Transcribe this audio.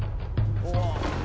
お！